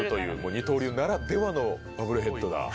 二刀流ならではのバブルヘッドだ。